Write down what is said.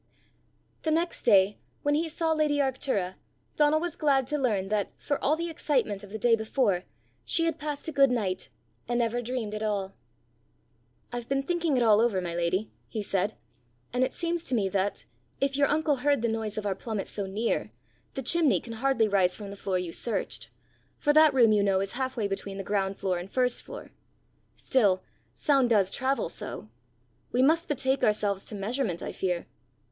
The next day, when he saw lady Arctura, Donal was glad to learn that, for all the excitement of the day before, she had passed a good night, and never dreamed at all. "I've been thinking it all over, my lady," he said, "and it seems to me that, if your uncle heard the noise of our plummet so near, the chimney can hardly rise from the floor you searched; for that room, you know, is half way between the ground floor and first floor. Still, sound does travel so! We must betake ourselves to measurement, I fear.